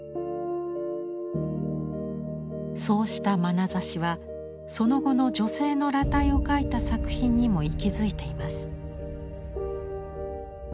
そうしたまなざしはその後の女性の裸体を描いた作品にも息づいています。